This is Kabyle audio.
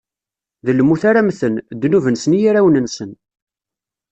D lmut ara mmten: ddnub-nsen i yirawen-nsen.